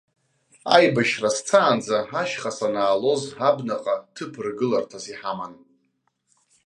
Аибашьра сцаанӡа, ашьха санаалоз, абнаҟа ҭыԥ ргыларҭас иҳаман.